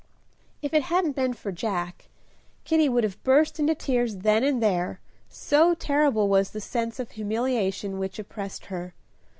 If it hadn't been for Jack, Kitty would have burst into tears then and there, so terrible was the sense of humiliation which oppressed her.